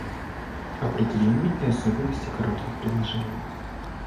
Определение и особенности коротких предложений